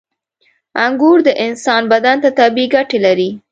• انګور د انسان بدن ته طبیعي ګټې لري.